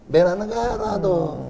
bela negara tuh